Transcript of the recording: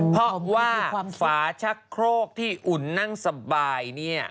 เพราะว่าฝาชักโครกที่อุ่นนั่งสบายเนี่ย